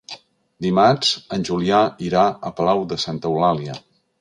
Dimarts en Julià irà a Palau de Santa Eulàlia.